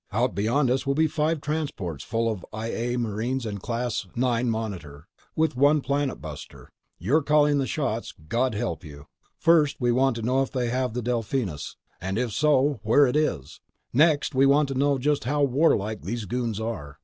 Out beyond us will be five transports full of I A marines and a Class IX Monitor with one planet buster. You're calling the shots, God help you! First, we want to know if they have the Delphinus ... and if so, where it is. Next, we want to know just how warlike these goons are.